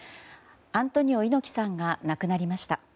アントニオ猪木さんが亡くなりました。